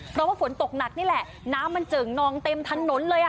เพราะว่าฝนตกหนักนี่แหละน้ำมันเจิ่งนองเต็มถนนเลย